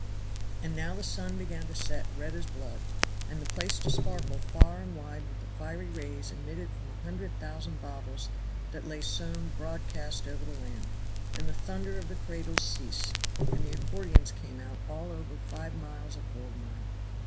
And now the sun began to set red as blood, and the place to sparkle far and wide with the fiery rays emitted from a hundred thousand bottles that lay sown broadcast over the land; and the thunder of the cradles ceased, and the accordions came out all over five miles of gold mine.